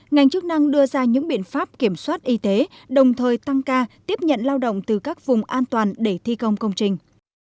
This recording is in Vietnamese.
ngành chức năng đưa ra những biện pháp kiểm soát y tế đồng thời tăng ca tiếp nhận lao động từ các vùng an toàn để thi công công trình